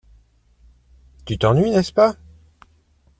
Tu t'ennuies, n'est-ce pas ?